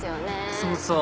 そうそう！